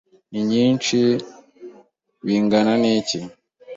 Ni nyinshi bingana iki